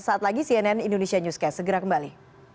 saat lagi cnn indonesia newscast segera kembali